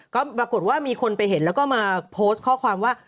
ก็ปรากฏว่ามีคนไปเห็นแล้วก็มาโพสต์ข้อความว่า